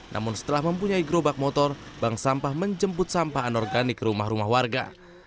namun setelah mempunyai gerobak motor bank sampah menjemput sampah anorganik ke rumah rumah warga